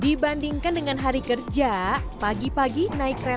dibandingkan dengan hari kerja pagi pagi naik kereta di akhir pekan